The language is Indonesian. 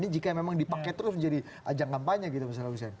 jika memang dipakai terus jadi ajang kampanye gitu misalnya